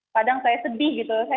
kadang saya sedih gitu